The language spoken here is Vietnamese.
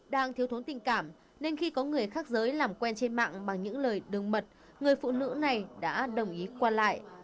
đang thiếu thốn tình cảm nên khi có người khác giới làm quen trên mạng bằng những lời đừng mật người phụ nữ này đã đồng ý qua lại